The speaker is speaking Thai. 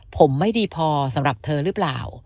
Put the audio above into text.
ผมไม่ดีพอสำหรับเธอหรือเปล่า